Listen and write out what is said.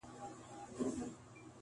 د عقل سوداګرو پکښي هر څه دي بایللي-